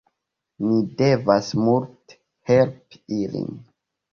Ni devas multe helpi ilin